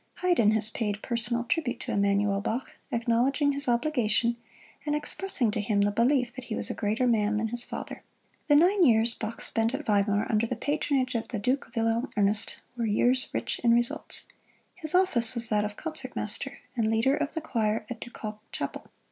Haydn has paid personal tribute to Emmanuel Bach, acknowledging his obligation, and expressing to him the belief that he was a greater man than his father. The nine years Bach spent at Weimar, under the patronage of the Duke Wilhelm Ernest, were years rich in results. His office was that of Concert Master, and Leader of the Choir at Ducal Chapel.